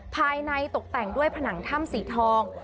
ภายในตกแต่งด้วยผนังถ้ำสีทอง